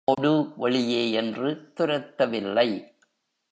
ஓடு, வெளியே என்று துரத்தவில்லை.